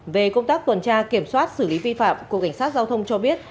về công tác tuần tra kiểm soát xử lý vi phạm cục cảnh sát giao thông cho biết